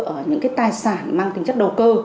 ở những tài sản mang tính chất đầu tư